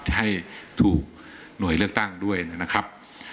ให้ถูกหน่วยเลือกตั้งด้วยนะครับ